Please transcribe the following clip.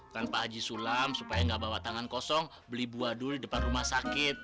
kan pak haji sulam supaya gak bawa tangan kosong beli buah dul depan rumah sakit